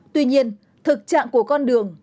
tuy nhiên thực trạng của con đường